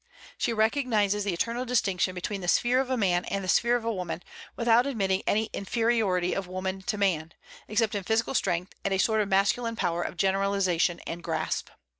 She recognizes the eternal distinction between the sphere of a man and the sphere of a woman, without admitting any inferiority of woman to man, except in physical strength and a sort of masculine power of generalization and grasp.